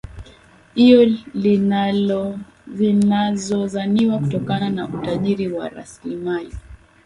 lo linazozaniwa kutokana na utajiri wa raslimali